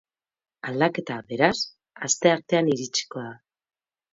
Aldaketa, beraz, asteartean iritsiko da.